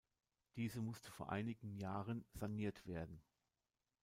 Diese musste vor einigen Jahren saniert werden.